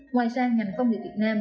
ngoài ra ngành công nghệ việt nam